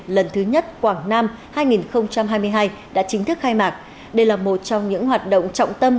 lần thứ nhất quảng nam hai nghìn hai mươi hai đã chính thức khai mạc đây là một trong những hoạt động trọng tâm